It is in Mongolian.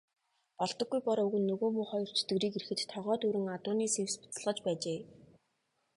Болдоггүй Бор өвгөн нөгөө муу хоёр чөтгөрийг ирэхэд тогоо дүүрэн адууны сэвс буцалгаж байжээ.